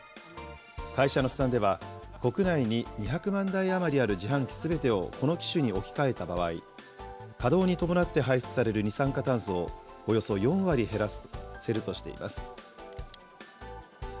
会社の試算では、国内に２００万台余りある自販機すべてをこの機種に置き換えた場合、稼働に伴って排出される二酸化炭素をおよそ４割減らせるとしています。